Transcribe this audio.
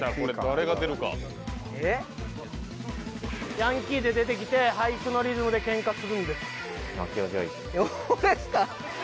ヤンキーで出て来て俳句のリズムで喧嘩するんです。